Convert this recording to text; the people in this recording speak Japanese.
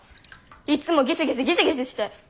いっつもギスギスギスギスして。